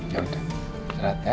ya udah istirahat ya